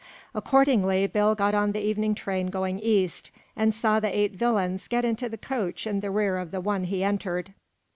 Accordingly, Bill got on the evening train going east, and saw the eight villains get into the coach in the rear of the one he entered.